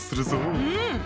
うん！